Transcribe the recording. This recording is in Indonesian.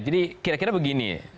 jadi kira kira begini